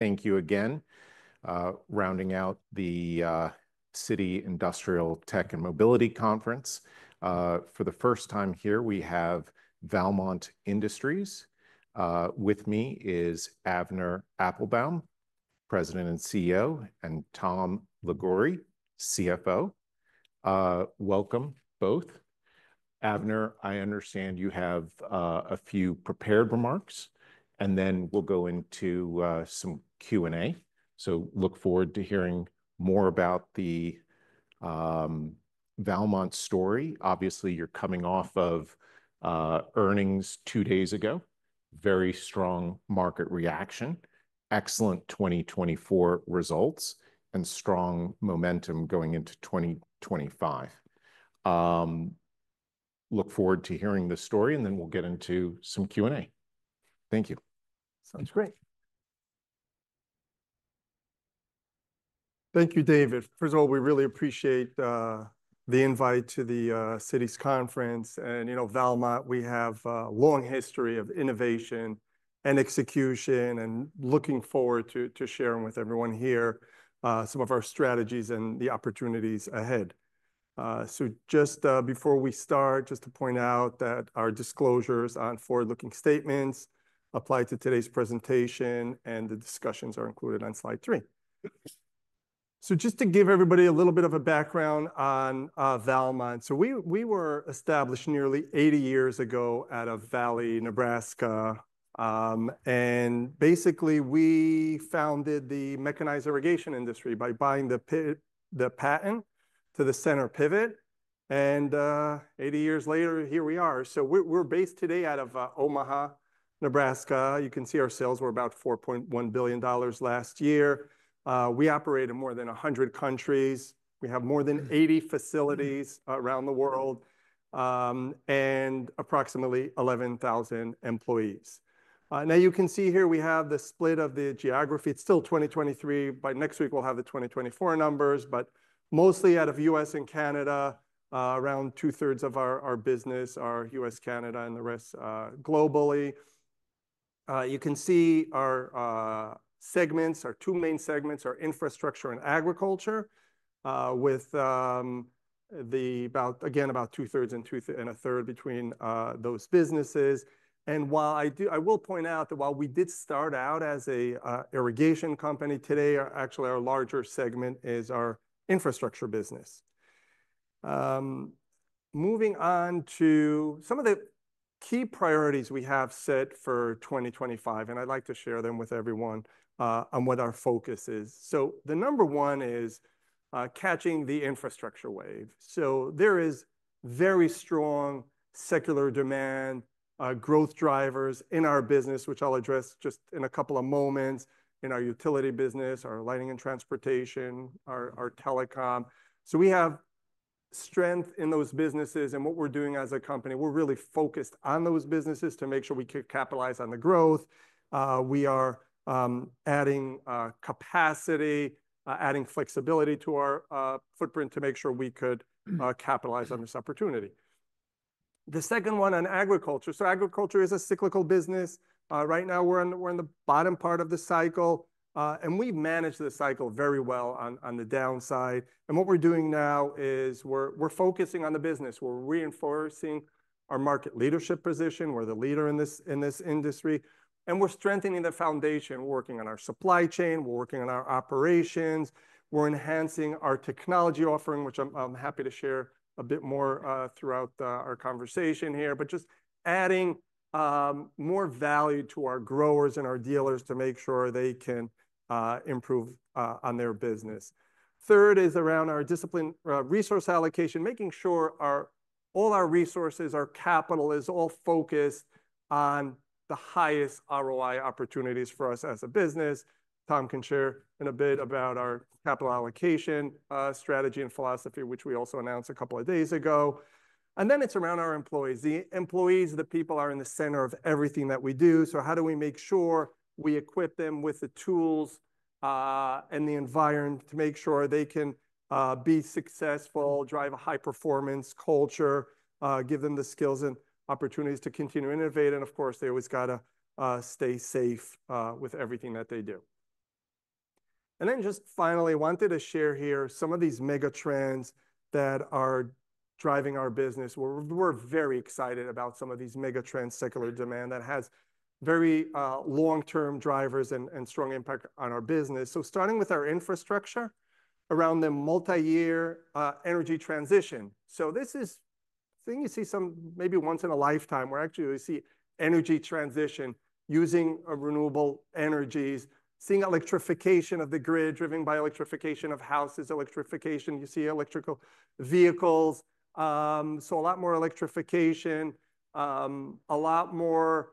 Thank you again. Rounding out the Citi Industrial Tech and Mobility Conference, for the first time here, we have Valmont Industries. With me is Avner Applbaum, President and CEO, and Tom Liguori, CFO. Welcome both. Avner, I understand you have a few prepared remarks, and then we'll go into some Q&A. So look forward to hearing more about the Valmont story. Obviously, you're coming off of earnings two days ago, very strong market reaction, excellent 2024 results, and strong momentum going into 2025. Look forward to hearing the story, and then we'll get into some Q&A. Thank you. Sounds great. Thank you, David. First of all, we really appreciate the invite to the Citi's conference. You know, Valmont, we have a long history of innovation and execution, and looking forward to sharing with everyone here some of our strategies and the opportunities ahead. So just before we start, just to point out that our disclosures on forward-looking statements apply to today's presentation, and the discussions are included on slide three. So just to give everybody a little bit of a background on Valmont, so we were established nearly 80 years ago out of Valley, Nebraska. And basically, we founded the mechanized irrigation industry by buying the patent to the center pivot. 80 years later, here we are. So we're based today out of Omaha, Nebraska. You can see our sales were about $4.1 billion last year. We operate in more than 100 countries. We have more than 80 facilities around the world, and approximately 11,000 employees. Now you can see here we have the split of the geography. It's still 2023. By next week, we'll have the 2024 numbers, but mostly out of the U.S. and Canada, around two-thirds of our, our business are U.S., Canada, and the rest, globally. You can see our, segments, our two main segments are infrastructure and agriculture, with, the about, again, about two-thirds and two and a third between, those businesses. While I will point out that while we did start out as a, irrigation company, today actually our larger segment is our infrastructure business. Moving on to some of the key priorities we have set for 2025, and I'd like to share them with everyone, on what our focus is. The number one is catching the infrastructure wave. So there is very strong secular demand, growth drivers in our business, which I'll address just in a couple of moments in our utility business, our lighting and transportation, our telecom. So we have strength in those businesses, and what we're doing as a company, we're really focused on those businesses to make sure we can capitalize on the growth. We are adding capacity, adding flexibility to our footprint to make sure we could capitalize on this opportunity. The second one on agriculture. So agriculture is a cyclical business. Right now we're in the bottom part of the cycle, and we've managed the cycle very well on the downside. And what we're doing now is we're focusing on the business. We're reinforcing our market leadership position. We're the leader in this industry, and we're strengthening the foundation. We're working on our supply chain. We're working on our operations. We're enhancing our technology offering, which I'm happy to share a bit more throughout our conversation here, but just adding more value to our growers and our dealers to make sure they can improve on their business. Third is around our discipline, resource allocation, making sure all our resources, our capital is all focused on the highest ROI opportunities for us as a business. Tom can share in a bit about our capital allocation, strategy and philosophy, which we also announced a couple of days ago. And then it's around our employees. The employees, the people are in the center of everything that we do. So how do we make sure we equip them with the tools and the environment to make sure they can be successful, drive a high-performance culture, give them the skills and opportunities to continue to innovate. Of course, they always gotta stay safe with everything that they do. Then just finally, I wanted to share here some of these mega trends that are driving our business. We're very excited about some of these mega trends, secular demand that has very long-term drivers and strong impact on our business. Starting with our infrastructure around the multi-year energy transition, this is something you see maybe once in a lifetime. We're actually seeing energy transition using renewable energies, seeing electrification of the grid driven by electrification of houses, electrification. You see electric vehicles, so a lot more electrification, a lot more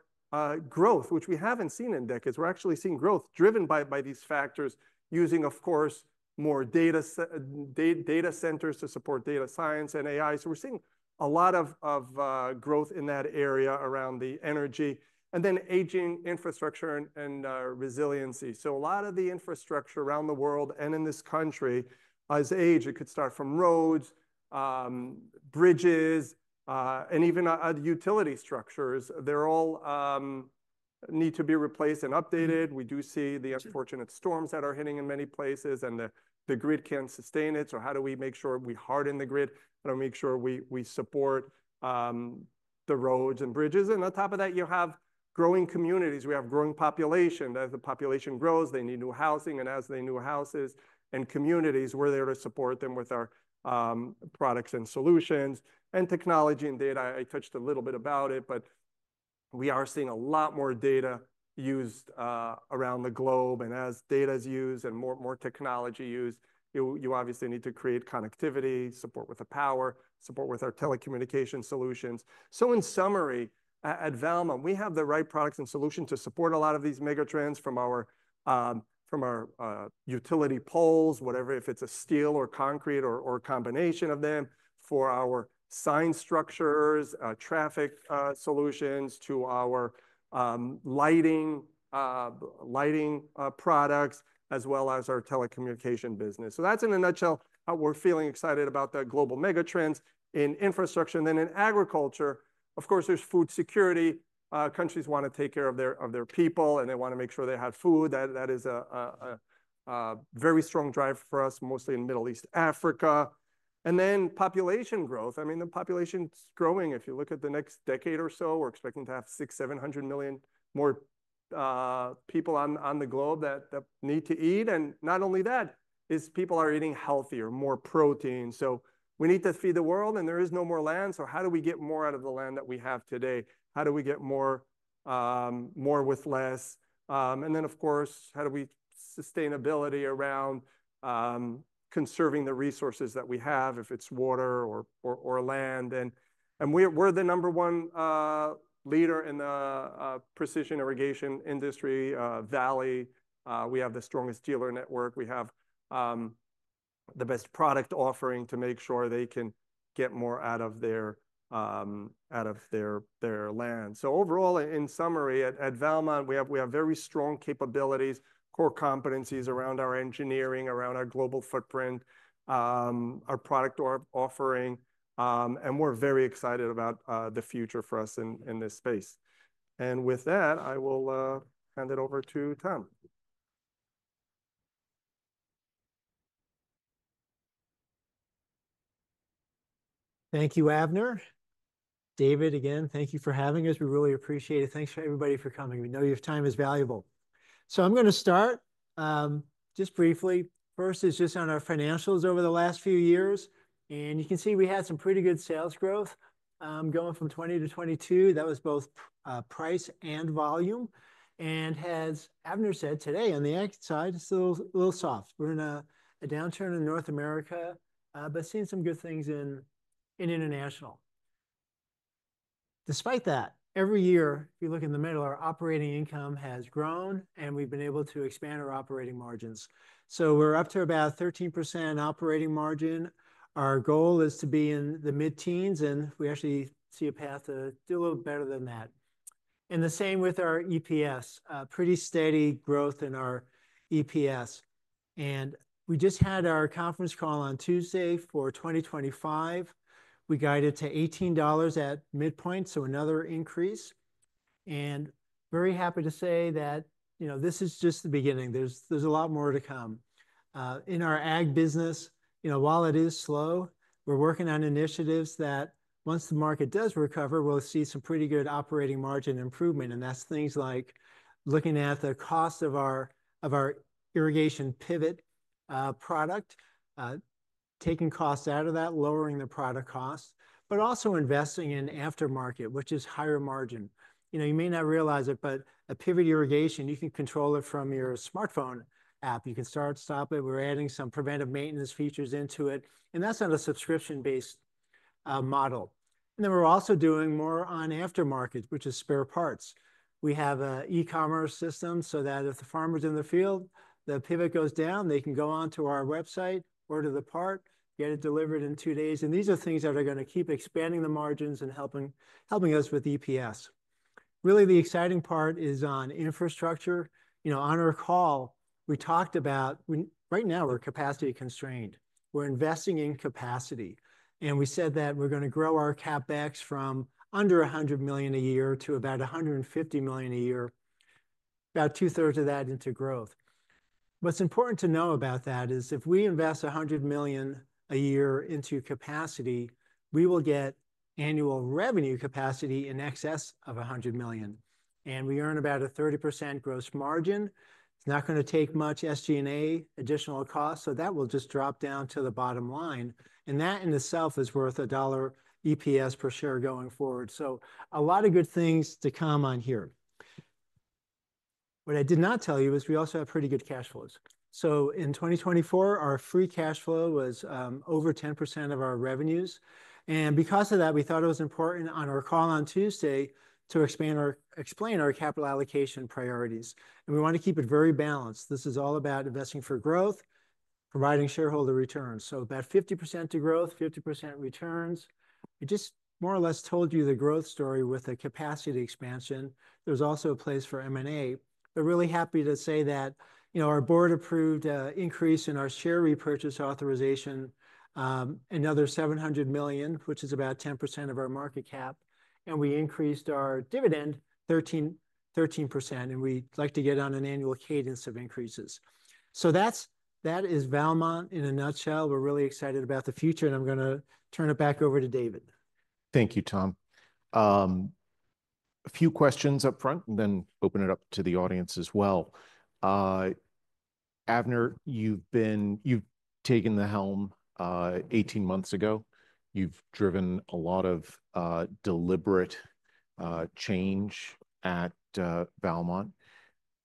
growth, which we haven't seen in decades. We're actually seeing growth driven by these factors, using, of course, more data centers to support data science and AI. We're seeing a lot of growth in that area around the energy and then aging infrastructure and resiliency. A lot of the infrastructure around the world and in this country as they age, it could start from roads, bridges, and even other utility structures. They all need to be replaced and updated. We do see the unfortunate storms that are hitting in many places, and the grid can't sustain it. How do we make sure we harden the grid? How do we make sure we support the roads and bridges? On top of that, you have growing communities. We have growing population. As the population grows, they need new housing, and as they need new houses and communities, we're there to support them with our products and solutions and technology and data. I touched a little bit about it, but we are seeing a lot more data used around the globe. And as data is used and more technology used, you obviously need to create connectivity, support with the power, support with our telecommunication solutions. So in summary, at Valmont, we have the right products and solutions to support a lot of these mega trends from our utility poles, whatever, if it's a steel or concrete or a combination of them for our sign structures, traffic solutions to our lighting products, as well as our telecommunication business. So that's in a nutshell how we're feeling excited about the global mega trends in infrastructure. And then in agriculture, of course, there's food security. Countries want to take care of their people, and they want to make sure they have food. That is a very strong drive for us, mostly in Middle East, Africa. And then population growth. I mean, the population's growing. If you look at the next decade or so, we're expecting to have 600-700 million more people on the globe that need to eat. And not only that, people are eating healthier, more protein. So we need to feed the world, and there is no more land. So how do we get more out of the land that we have today? How do we get more with less? And then, of course, how do we sustainability around conserving the resources that we have, if it's water or land? And we're the number one leader in the precision irrigation industry, Valley. We have the strongest dealer network. We have the best product offering to make sure they can get more out of their land. So overall, in summary, at Valmont, we have very strong capabilities, core competencies around our engineering, around our global footprint, our product offering. And we're very excited about the future for us in this space. And with that, I will hand it over to Tom. Thank you, Avner. David, again, thank you for having us. We really appreciate it. Thanks for everybody for coming. We know your time is valuable. So I'm going to start, just briefly. First is just on our financials over the last few years, and you can see we had some pretty good sales growth, going from 2020 to 2022. That was both price and volume, and as Avner said today on the exit side, it's a little soft. We're in a downturn in North America, but seeing some good things in international. Despite that, every year, if you look in the middle, our operating income has grown, and we've been able to expand our operating margins, so we're up to about 13% operating margin. Our goal is to be in the mid-teens, and we actually see a path to do a little better than that. And the same with our EPS, pretty steady growth in our EPS. And we just had our conference call on Tuesday for 2025. We guided to $18 at midpoint, so another increase. And very happy to say that, you know, this is just the beginning. There's, there's a lot more to come. In our ag business, you know, while it is slow, we're working on initiatives that once the market does recover, we'll see some pretty good operating margin improvement. And that's things like looking at the cost of our, of our irrigation pivot, product, taking costs out of that, lowering the product costs, but also investing in aftermarket, which is higher margin. You know, you may not realize it, but a pivot irrigation, you can control it from your smartphone app. You can start, stop it. We're adding some preventive maintenance features into it, and that's on a subscription-based model. And then we're also doing more on aftermarket, which is spare parts. We have an e-commerce system so that if the farmer's in the field, the pivot goes down, they can go on to our website or order the part, get it delivered in two days. And these are things that are going to keep expanding the margins and helping us with EPS. Really, the exciting part is on infrastructure. You know, on our call, we talked about, right now we're capacity constrained. We're investing in capacity. And we said that we're going to grow our CapEx from under $100 million a year to about $150 million a year, about two-thirds of that into growth. What's important to know about that is if we invest $100 million a year into capacity, we will get annual revenue capacity in excess of $100 million. And we earn about a 30% gross margin. It's not going to take much SG&A additional cost, so that will just drop down to the bottom line. And that in itself is worth a $1 EPS per share going forward. So a lot of good things to come on here. What I did not tell you is we also have pretty good cash flows. So in 2024, our free cash flow was over 10% of our revenues. And because of that, we thought it was important on our call on Tuesday to explain our capital allocation priorities. And we want to keep it very balanced. This is all about investing for growth, providing shareholder returns. So about 50% to growth, 50% returns. We just more or less told you the growth story with a capacity expansion. There's also a place for M&A. But really happy to say that, you know, our board approved an increase in our share repurchase authorization, another $700 million, which is about 10% of our market cap. And we increased our dividend 13, 13%. And we'd like to get on an annual cadence of increases. So that's, that is Valmont in a nutshell. We're really excited about the future. And I'm going to turn it back over to David. Thank you, Tom. A few questions upfront and then open it up to the audience as well. Avner, you've taken the helm 18 months ago. You've driven a lot of deliberate change at Valmont.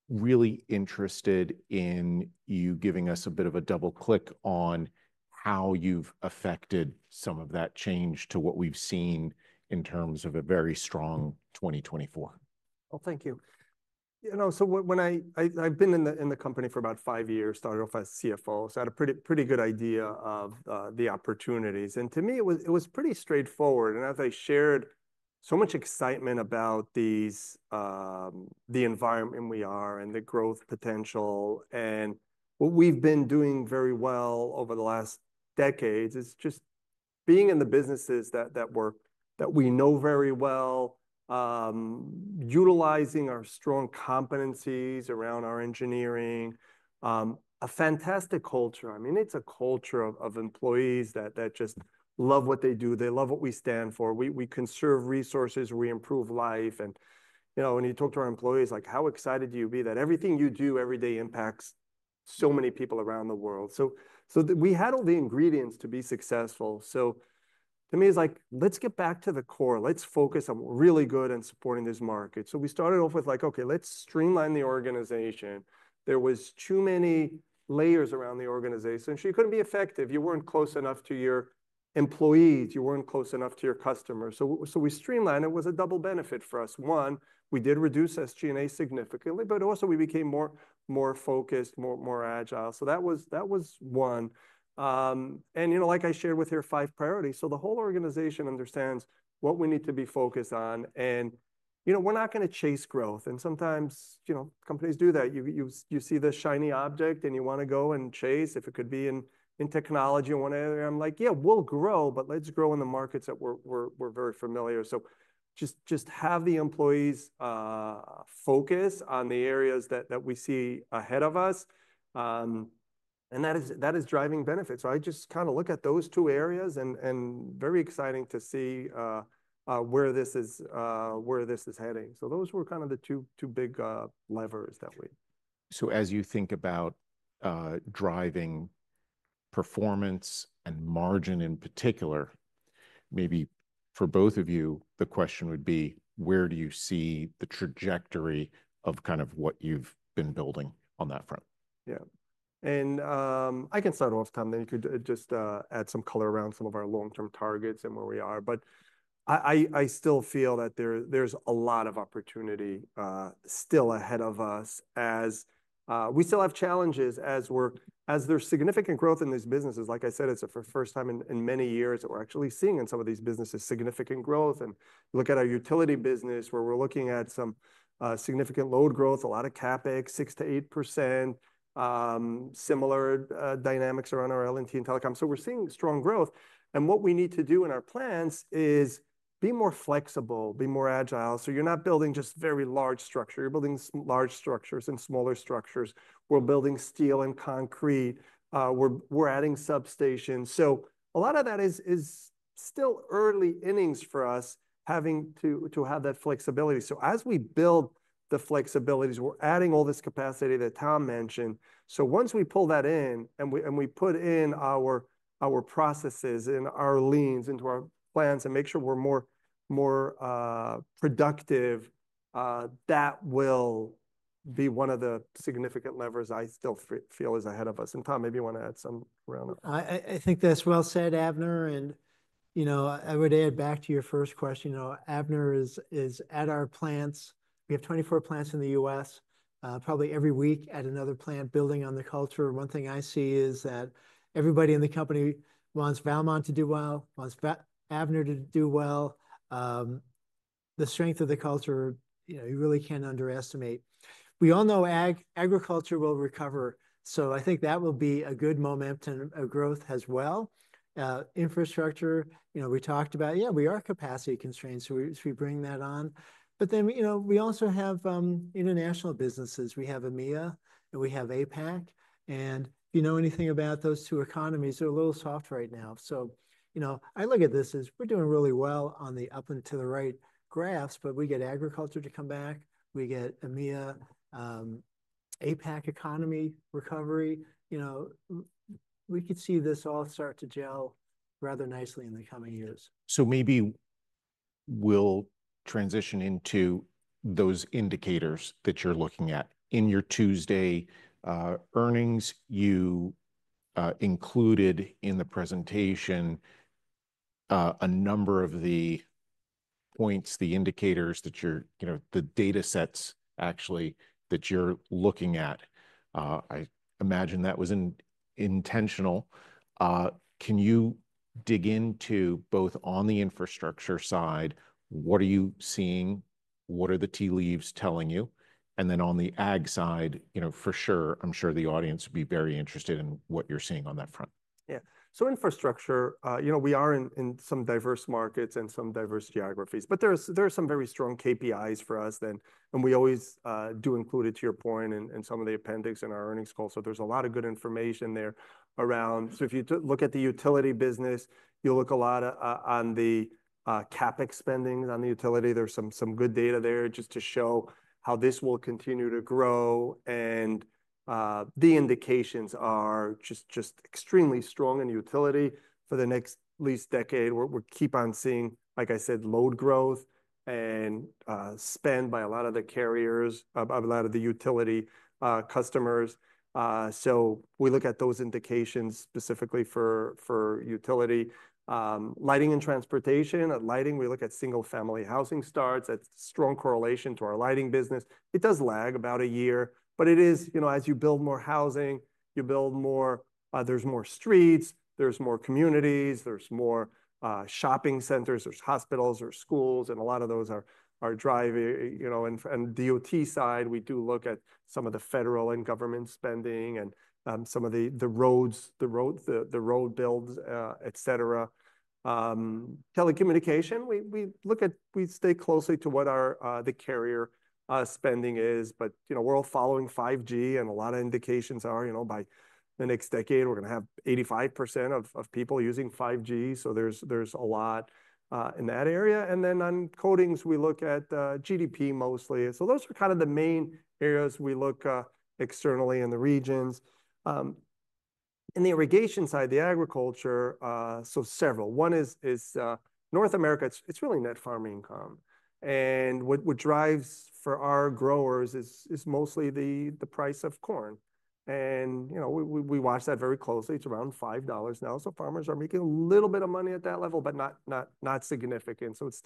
Really interested in you giving us a bit of a double click on how you've affected some of that change to what we've seen in terms of a very strong 2024. Well, thank you. You know, so when I, I've been in the, in the company for about five years, started off as CFO, so I had a pretty, pretty good idea of the opportunities, and to me, it was, it was pretty straightforward, and as I shared so much excitement about these, the environment we are and the growth potential and what we've been doing very well over the last decades, it's just being in the businesses that, that work, that we know very well, utilizing our strong competencies around our engineering, a fantastic culture. I mean, it's a culture of, of employees that, that just love what they do. They love what we stand for. We, we conserve resources, we improve life. And, you know, when you talk to our employees, like, how excited do you be that everything you do every day impacts so many people around the world? So we had all the ingredients to be successful. So to me, it's like, let's get back to the core. Let's focus on really good and supporting this market. So we started off with like, okay, let's streamline the organization. There were too many layers around the organization. So you couldn't be effective. You weren't close enough to your employees. You weren't close enough to your customers. So we streamlined. It was a double benefit for us. One, we did reduce SG&A significantly, but also we became more focused, more agile. So that was one. And you know, like I shared with your five priorities, so the whole organization understands what we need to be focused on. You know, we're not going to chase growth. And sometimes, you know, companies do that. You see the shiny object and you want to go and chase it if it could be in technology or whatever. I'm like, yeah, we'll grow, but let's grow in the markets that we're very familiar. So just have the employees focus on the areas that we see ahead of us. And that is driving benefits. So I just kind of look at those two areas and very exciting to see where this is heading. So those were kind of the two big levers that we. As you think about driving performance and margin in particular, maybe for both of you, the question would be, where do you see the trajectory of kind of what you've been building on that front? Yeah. And I can start off, Tom, then you could just add some color around some of our long-term targets and where we are. But I still feel that there's a lot of opportunity still ahead of us as we still have challenges as there's significant growth in these businesses. Like I said, it's the first time in many years that we're actually seeing in some of these businesses significant growth. And look at our utility business where we're looking at some significant load growth, a lot of CapEx, 6%-8%, similar dynamics around our L&T and telecom. So we're seeing strong growth. And what we need to do in our plans is be more flexible, be more agile. So you're not building just very large structures. You're building large structures and smaller structures. We're building steel and concrete. We're adding substations. So a lot of that is still early innings for us having to have that flexibility. So as we build the flexibilities, we're adding all this capacity that Tom mentioned. So once we pull that in and we put in our processes and our Lean into our plans and make sure we're more productive, that will be one of the significant levers I still feel is ahead of us. And Tom, maybe you want to add something around that? I think that's well said, Avner, and you know, I would add back to your first question, you know, Avner is at our plants. We have 24 plants in the U.S., probably every week at another plant building on the culture. One thing I see is that everybody in the company wants Valmont to do well, wants Avner to do well. The strength of the culture, you know, you really can't underestimate. We all know agriculture will recover, so I think that will be a good momentum of growth as well. Infrastructure, you know, we talked about; yeah, we are capacity constrained, so we bring that on. But then, you know, we also have international businesses. We have EMEA and we have APAC, and if you know anything about those two economies, they're a little soft right now. So, you know, I look at this as we're doing really well on the up and to the right graphs, but we get agriculture to come back. We get EMEA, APAC economy recovery. You know, we could see this all start to gel rather nicely in the coming years. So maybe we'll transition into those indicators that you're looking at in your Tuesday earnings. You included in the presentation a number of points, the indicators that you're, you know, the data sets actually that you're looking at. I imagine that was intentional. Can you dig into both on the infrastructure side, what are you seeing, what are the tea leaves telling you? And then on the ag side, you know, for sure, I'm sure the audience would be very interested in what you're seeing on that front. Yeah. So infrastructure, you know, we are in some diverse markets and some diverse geographies, but there are some very strong KPIs for us then. And we always do include it to your point and some of the appendix in our earnings call. So there's a lot of good information there around. So if you look at the utility business, you'll look a lot on the CapEx spending on the utility. There's some good data there just to show how this will continue to grow. And the indications are just extremely strong in utility for the next at least decade. We'll keep on seeing, like I said, load growth and spend by a lot of the carriers, of a lot of the utility customers. So we look at those indications specifically for utility, lighting and transportation, lighting, we look at single-family housing starts. That's a strong correlation to our lighting business. It does lag about a year, but it is, you know, as you build more housing, you build more, there's more streets, there's more communities, there's more shopping centers, there's hospitals, there's schools, and a lot of those are driving, you know, and DOT side, we do look at some of the federal and government spending and some of the roads, the road builds, et cetera. Telecommunication, we look at, we stay closely to what the carrier spending is. But, you know, we're all following 5G and a lot of indications are, you know, by the next decade, we're going to have 85% of people using 5G. So there's a lot in that area. And then on coatings, we look at GDP mostly. So those are kind of the main areas we look externally in the regions. In the irrigation side, the agriculture, so several. One is North America. It's really net farm income. And what drives for our growers is mostly the price of corn. And, you know, we watch that very closely. It's around $5 now. So farmers are making a little bit of money at that level, but not significant. So it's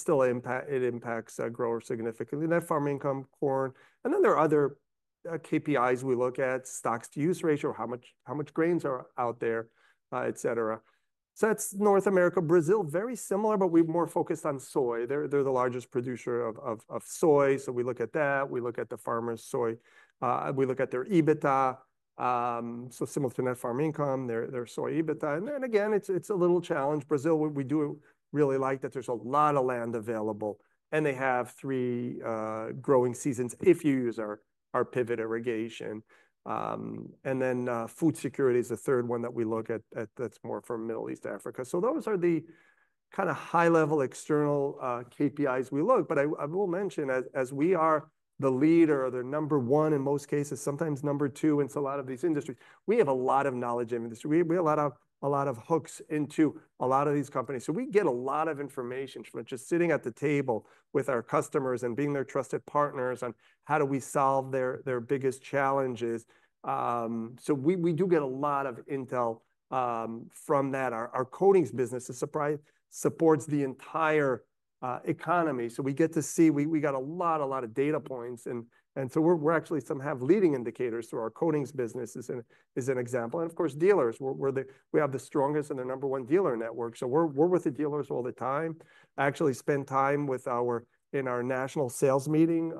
still an impact. It impacts growers significantly. Net farm income, corn. And then there are other KPIs we look at, stocks-to-use ratio, how much grains are out there, et cetera. So that's North America, Brazil, very similar, but we're more focused on soy. They're the largest producer of soy. So we look at that, we look at the farmers' soy, we look at their EBITDA, so similar to net farm income, their soy EBITDA. And then again, it's a little challenge. Brazil, we do really like that there's a lot of land available and they have three growing seasons if you use our pivot irrigation. And then, food security is the third one that we look at, that's more from Middle East, Africa. So those are the kind of high-level external KPIs we look. But I will mention as we are the leader or the number one in most cases, sometimes number two in a lot of these industries, we have a lot of knowledge in the industry. We have a lot of hooks into a lot of these companies. So we get a lot of information from just sitting at the table with our customers and being their trusted partners on how we solve their biggest challenges. So we do get a lot of intel from that. Our coatings business supports the entire economy. So we get to see. We got a lot of data points. And so we actually have some leading indicators through our coatings business and is an example. And of course, dealers, we have the strongest and the number one dealer network. So we're with the dealers all the time, actually spend time with our in our national sales meeting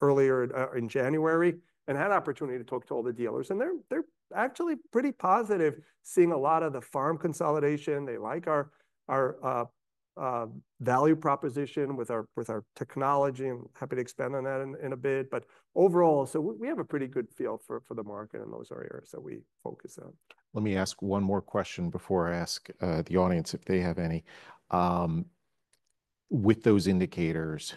earlier in January and had an opportunity to talk to all the dealers. And they're actually pretty positive seeing a lot of the farm consolidation. They like our value proposition with our technology and happy to expand on that in a bit. But overall, so we have a pretty good feel for the market in those areas that we focus on. Let me ask one more question before I ask the audience if they have any. With those indicators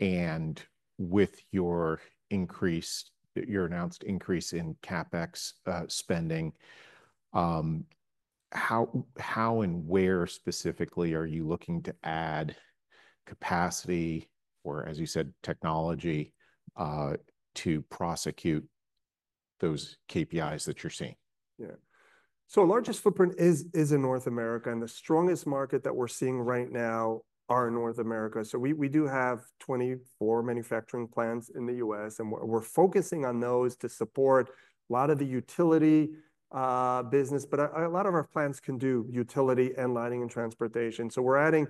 and with your increase, your announced increase in CapEx spending, how and where specifically are you looking to add capacity or, as you said, technology, to prosecute those KPIs that you're seeing? Yeah. So our largest footprint is in North America and the strongest market that we're seeing right now are in North America. So we do have 24 manufacturing plants in the U.S. and we're focusing on those to support a lot of the utility business. But a lot of our plants can do utility and lighting and transportation. So we're adding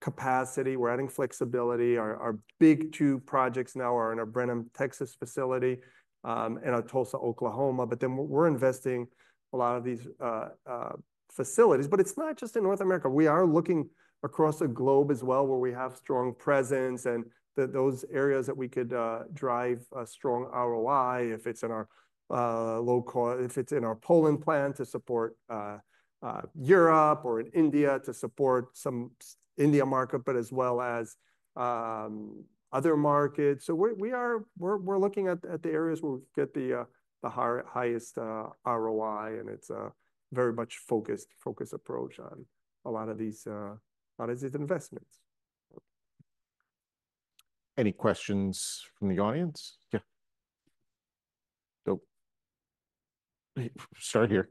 capacity, we're adding flexibility. Our big two projects now are in our Brenham, Texas facility, and our Tulsa, Oklahoma. But then we're investing a lot of these facilities. But it's not just in North America. We are looking across the globe as well where we have strong presence and those areas that we could drive a strong ROI if it's in our low cost, if it's in our Poland plant to support Europe or in India to support some India market, but as well as other markets. So we are looking at the areas where we get the highest ROI and it's a very much focused approach on a lot of these investments. Any questions from the audience? Yeah. So start here.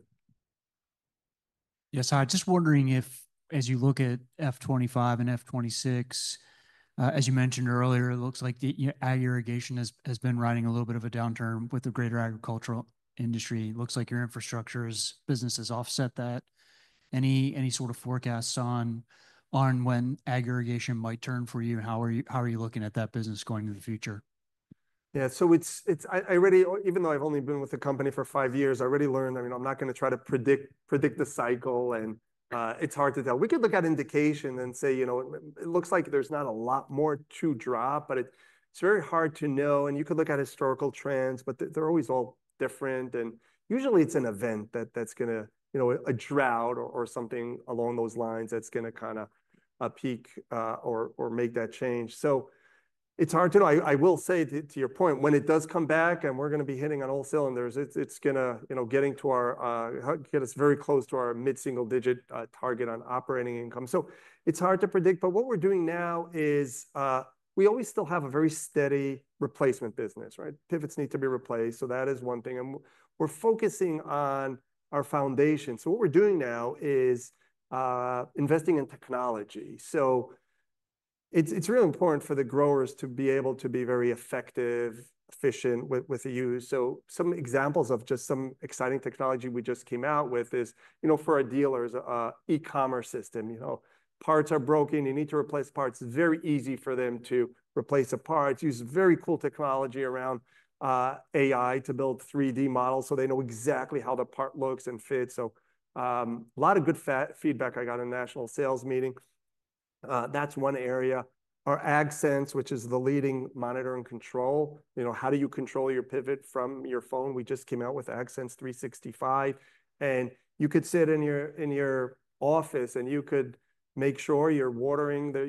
Yes. I'm just wondering if, as you look at F25 and F26, as you mentioned earlier, it looks like the ag irrigation has been riding a little bit of a downturn with the greater agricultural industry. It looks like your infrastructure business has offset that. Any sort of forecasts on when ag irrigation might turn for you and how are you looking at that business going into the future? Yeah. So it's, even though I've only been with the company for five years, I already learned. I mean, I'm not going to try to predict the cycle and, it's hard to tell. We could look at indication and say, you know, it looks like there's not a lot more to drop, but it's very hard to know. And you could look at historical trends, but they're always all different. And usually it's an event that's going to, you know, a drought or something along those lines that's going to kind of peak or make that change. So it's hard to know. I will say to your point, when it does come back and we're going to be hitting on all cylinders, it's going to, you know, get us very close to our mid-single digit target on operating income. So it's hard to predict. But what we're doing now is, we always still have a very steady replacement business, right? Pivots need to be replaced. So that is one thing. And we're focusing on our foundation. So what we're doing now is, investing in technology. So it's really important for the growers to be able to be very effective, efficient with the use. So some examples of just some exciting technology we just came out with is, you know, for our dealers, e-commerce system, you know, parts are broken, you need to replace parts. It's very easy for them to replace the parts. Use very cool technology around AI to build 3D models so they know exactly how the part looks and fits. So, a lot of good feedback I got in a national sales meeting. That's one area. Our AgSense, which is the leading monitor and control, you know, how do you control your pivot from your phone? We just came out with AgSense 365 and you could sit in your office and you could make sure you're watering the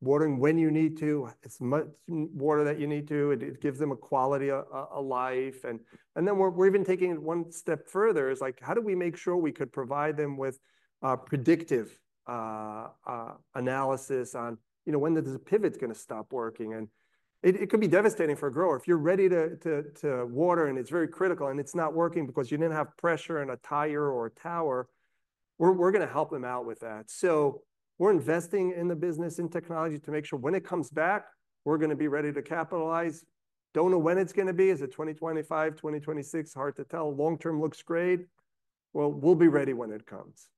watering when you need to, as much water that you need to. It gives them a quality of life. And then we're even taking it one step further, like, how do we make sure we could provide them with predictive analysis on, you know, when the pivot's going to stop working. It could be devastating for a grower if you're ready to water and it's very critical and it's not working because you didn't have pressure in a tire or a tower. We're going to help them out with that. So we're investing in the business in technology to make sure when it comes back, we're going to be ready to capitalize. Don't know when it's going to be. Is it 2025, 2026? Hard to tell. Long term looks great. We'll be ready when it comes.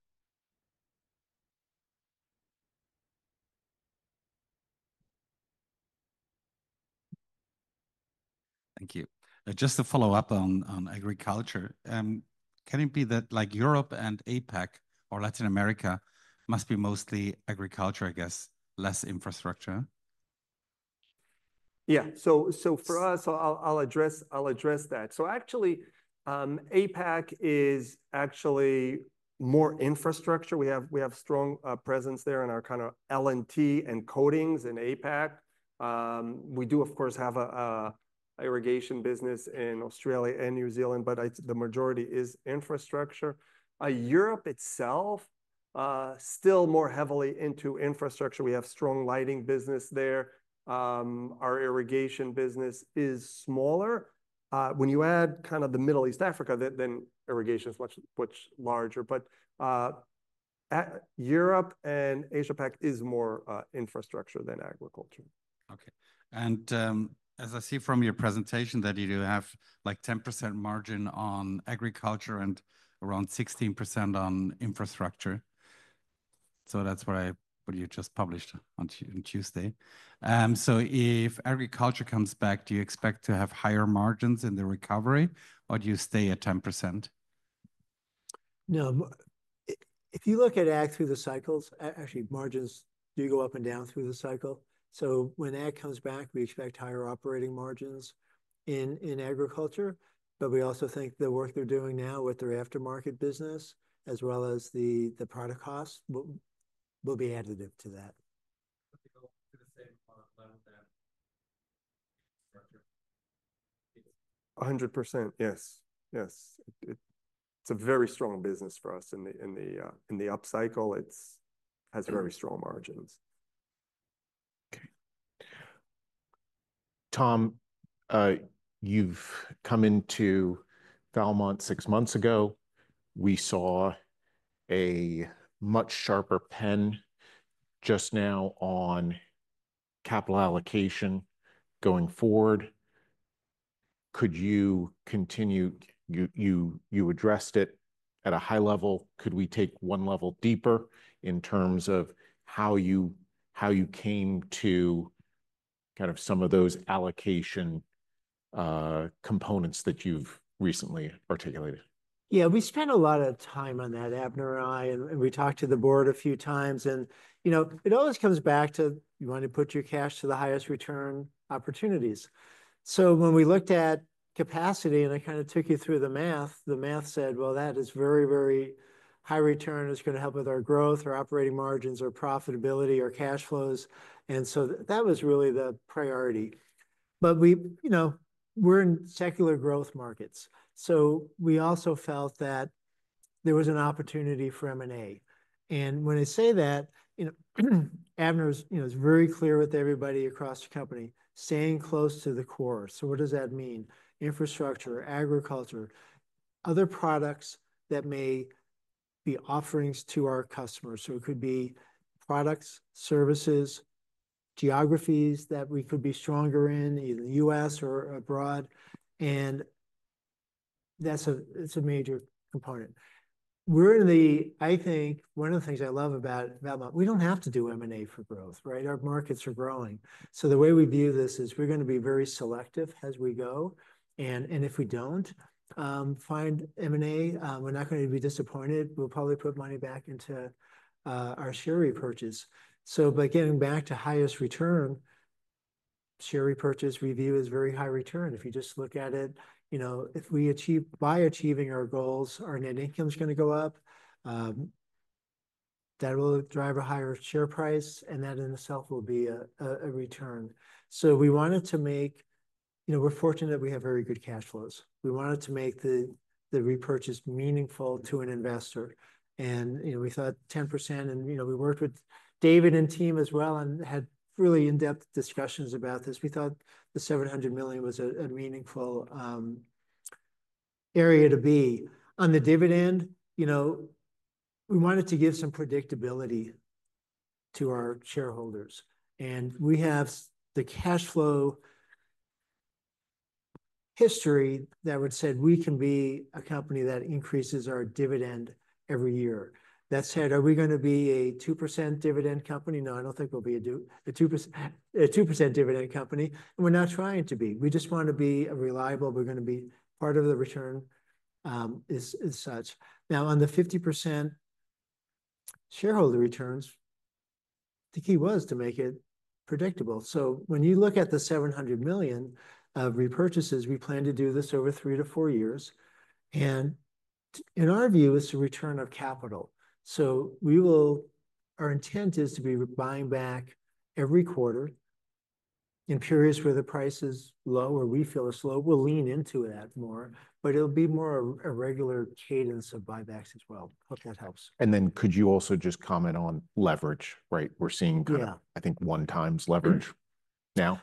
Thank you. Just to follow up on agriculture, can it be that like Europe and APAC or Latin America must be mostly agriculture, I guess, less infrastructure? Yeah. So for us, I'll address that. So actually, APAC is actually more infrastructure. We have strong presence there in our kind of L&T and coatings and APAC. We do, of course, have an irrigation business in Australia and New Zealand, but the majority is infrastructure. Europe itself is still more heavily into infrastructure. We have strong lighting business there. Our irrigation business is smaller. When you add kind of the Middle East, Africa, then irrigation is much larger. But Europe and Asia-Pac is more infrastructure than agriculture. Okay, and as I see from your presentation that you do have like 10% margin on agriculture and around 16% on infrastructure, so that's what you just published on Tuesday, so if agriculture comes back, do you expect to have higher margins in the recovery or do you stay at 10%? No, if you look at ag through the cycles, actually margins do go up and down through the cycle. So when ag comes back, we expect higher operating margins in agriculture. But we also think the work they're doing now with their aftermarket business, as well as the product costs will be additive to that. 100%. Yes. Yes. It's a very strong business for us in the upcycle. It has very strong margins. Okay. Tom, you've come into Valmont six months ago. We saw a much sharper pen just now on capital allocation going forward. Could you continue? You addressed it at a high level. Could we take one level deeper in terms of how you came to kind of some of those allocation components that you've recently articulated? Yeah, we spent a lot of time on that, Avner and I, and we talked to the board a few times. You know, it always comes back to you want to put your cash to the highest return opportunities. When we looked at capacity and I kind of took you through the math, the math said, well, that is very, very high return. It's going to help with our growth, our operating margins, our profitability, our cash flows. That was really the priority. We, you know, are in secular growth markets. We also felt that there was an opportunity for M&A. When I say that, you know, Avner was, you know, is very clear with everybody across the company, staying close to the core. What does that mean? Infrastructure, agriculture, other products that may be offerings to our customers. So it could be products, services, geographies that we could be stronger in, either the U.S. or abroad. And that's a major component. I think one of the things I love about we don't have to do M&A for growth, right? Our markets are growing. So the way we view this is we're going to be very selective as we go. And if we don't find M&A, we're not going to be disappointed. We'll probably put money back into our share repurchase. But getting back to highest return, share repurchase is very high return. If you just look at it, you know, by achieving our goals, our net income is going to go up. That will drive a higher share price and that in itself will be a return. So we wanted to make, you know, we're fortunate that we have very good cash flows. We wanted to make the repurchase meaningful to an investor. And, you know, we thought 10% and, you know, we worked with David and team as well and had really in-depth discussions about this. We thought the $700 million was a meaningful area to be on the dividend. You know, we wanted to give some predictability to our shareholders. And we have the cash flow history that would say we can be a company that increases our dividend every year. That said, are we going to be a 2% dividend company? No, I don't think we'll be a 2% dividend company. And we're not trying to be. We just want to be a reliable. We're going to be part of the return, is such. Now, on the 50% shareholder returns, the key was to make it predictable. So when you look at the $700 million of repurchases, we plan to do this over three to four years. And in our view, it's a return of capital. So we will, our intent is to be buying back every quarter in periods where the price is low or refill is low. We'll lean into that more, but it'll be more of a regular cadence of buybacks as well. Hope that helps. And then could you also just comment on leverage, right? We're seeing kind of, I think, one times leverage now.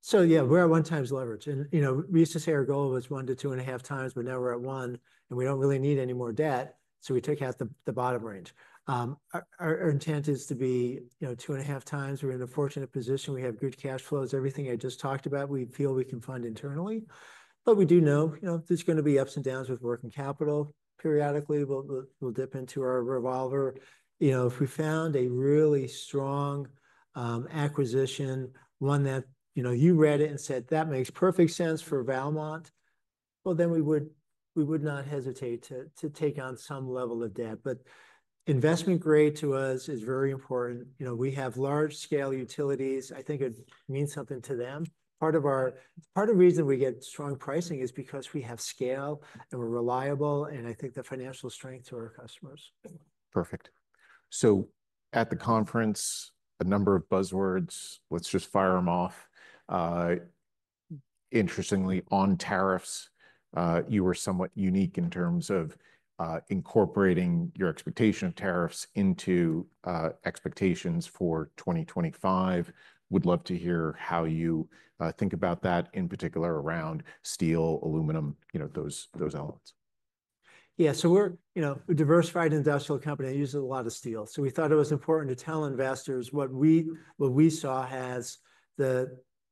So yeah, we're at one times leverage. And, you know, we used to say our goal was one to two and a half times, but now we're at one and we don't really need any more debt. So we took out the bottom range. Our intent is to be, you know, two and a half times. We're in a fortunate position. We have good cash flows. Everything I just talked about, we feel we can fund internally, but we do know, you know, there's going to be ups and downs with working capital periodically. We'll dip into our revolver, you know, if we found a really strong acquisition, one that, you know, you read it and said, that makes perfect sense for Valmont. Well, then we would not hesitate to take on some level of debt. But investment grade to us is very important. You know, we have large scale utilities. I think it means something to them. Part of the reason we get strong pricing is because we have scale and we're reliable. And I think the financial strength to our customers. Perfect. So at the conference, a number of buzzwords. Let's just fire them off. Interestingly, on tariffs, you were somewhat unique in terms of incorporating your expectation of tariffs into expectations for 2025. Would love to hear how you think about that in particular around steel, aluminum, you know, those, those elements. Yeah. So we're, you know, a diversified industrial company. I use a lot of steel. So we thought it was important to tell investors what we saw as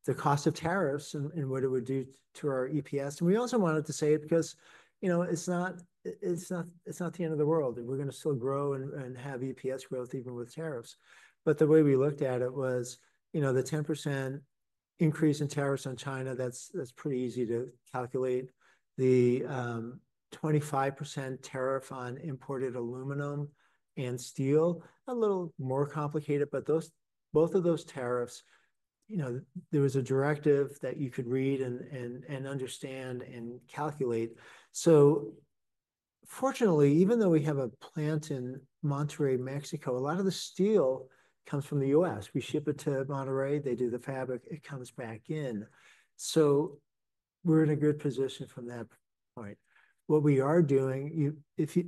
the cost of tariffs and what it would do to our EPS. And we also wanted to say it because, you know, it's not the end of the world. We're going to still grow and have EPS growth even with tariffs. But the way we looked at it was, you know, the 10% increase in tariffs on China, that's pretty easy to calculate. The 25% tariff on imported aluminum and steel, a little more complicated, but those both of those tariffs, you know, there was a directive that you could read and understand and calculate. So fortunately, even though we have a plant in Monterrey, Mexico, a lot of the steel comes from the U.S. We ship it to Monterrey. They do the fabrication. It comes back in. So we're in a good position from that point. What we are doing, if you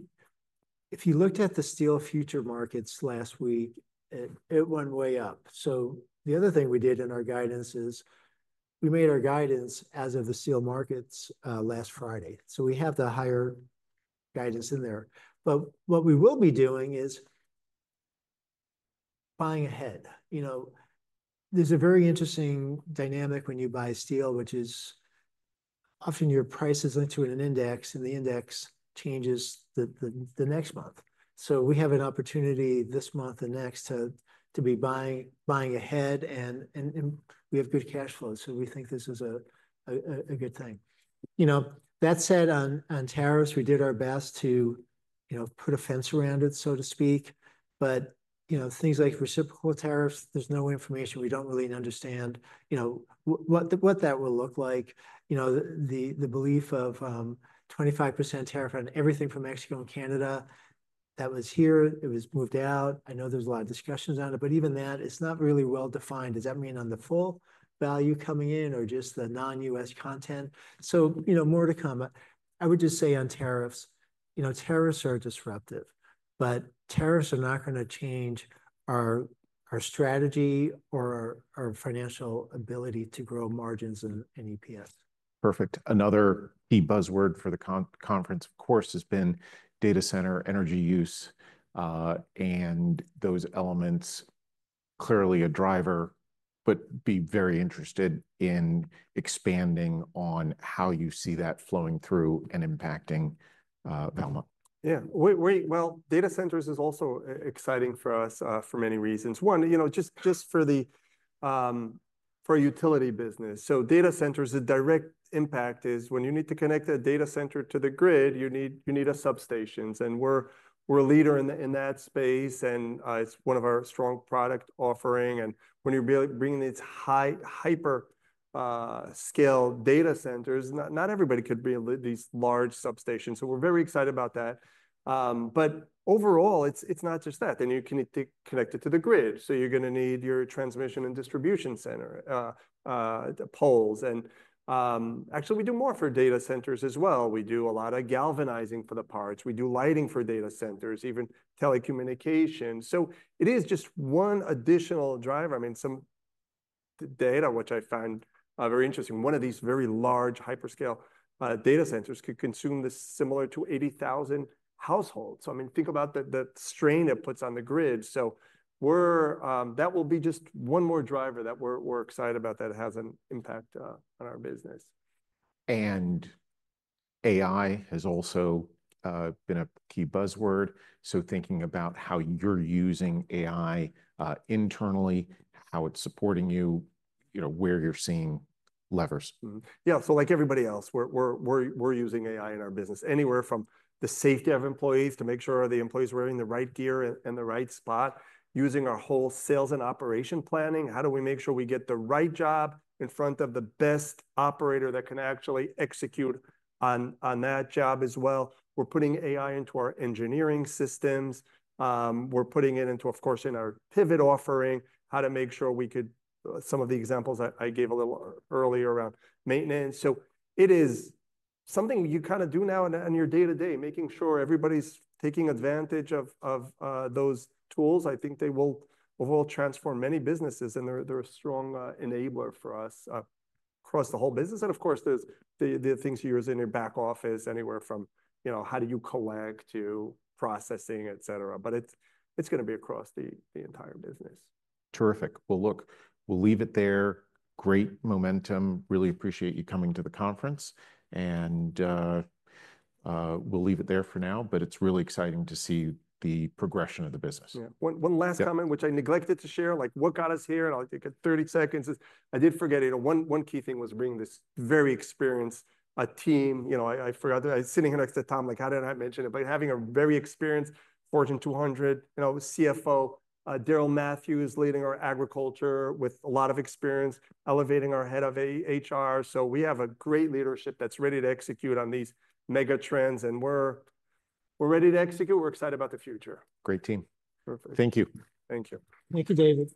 looked at the steel futures markets last week, it went way up. So the other thing we did in our guidance is we made our guidance as of the steel markets last Friday. So we have the higher guidance in there. But what we will be doing is buying ahead. You know, there's a very interesting dynamic when you buy steel, which is often your price is linked to an index and the index changes the next month. So we have an opportunity this month and next to be buying ahead and we have good cash flow. So we think this is a good thing. You know, that said on tariffs, we did our best to you know put a fence around it, so to speak. But you know things like reciprocal tariffs, there's no information. We don't really understand you know what that will look like. You know the belief of 25% tariff on everything from Mexico and Canada that was here, it was moved out. I know there's a lot of discussions on it, but even that it's not really well defined. Does that mean on the full value coming in or just the non-US content? So you know more to come. I would just say on tariffs, you know, tariffs are disruptive, but tariffs are not going to change our strategy or our financial ability to grow margins and EPS. Perfect. Another key buzzword for the Citi conference, of course, has been data center energy use, and those elements clearly are a driver, but I'd be very interested in expanding on how you see that flowing through and impacting Valmont. Yeah. Well, data centers is also exciting for us, for many reasons. One, you know, just for the utility business. So data centers, the direct impact is when you need to connect a data center to the grid, you need a substation. And we're a leader in that space. And it's one of our strong product offering. And when you're bringing these high hyperscale data centers, not everybody could be these large substations. So we're very excited about that, but overall, it's not just that. Then you can connect it to the grid. So you're going to need your transmission and distribution center poles. And actually we do more for data centers as well. We do a lot of galvanizing for the parts. We do lighting for data centers, even telecommunications. So it is just one additional driver. I mean, some data, which I found very interesting, one of these very large hyperscale data centers could consume the similar to 80,000 households. So I mean, think about the, the strain it puts on the grid. So we're, that will be just one more driver that we're, we're excited about that has an impact on our business. And AI has also been a key buzzword. So thinking about how you're using AI, internally, how it's supporting you, you know, where you're seeing levers. Yeah. So like everybody else, we're using AI in our business anywhere from the safety of employees to make sure the employees are wearing the right gear and the right spot. Using our whole sales and operation planning, how do we make sure we get the right job in front of the best operator that can actually execute on that job as well? We're putting AI into our engineering systems. We're putting it into, of course, in our pivot offering, how to make sure we could some of the examples I gave a little earlier around maintenance. So it is something you kind of do now on your day to day, making sure everybody's taking advantage of those tools. I think they will transform many businesses and they're a strong enabler for us, across the whole business. Of course, there's the things you use in your back office anywhere from, you know, how do you collect to processing, et cetera. It's going to be across the entire business. Terrific. Well, look, we'll leave it there. Great momentum. Really appreciate you coming to the conference and, we'll leave it there for now, but it's really exciting to see the progression of the business. Yeah. One last comment, which I neglected to share, like what got us here and I'll take 30 seconds. I did forget, you know, one key thing was bringing this very experienced team, you know. I forgot, I was sitting here next to Tom, like, how did I not mention it, but having a very experienced Fortune 200, you know, CFO, Daryl Matthews is leading our agriculture with a lot of experience, elevating our head of HR. So we have a great leadership that's ready to execute on these mega trends and we're ready to execute. We're excited about the future. Great team. Perfect. Thank you. Thank you. Thank you, David.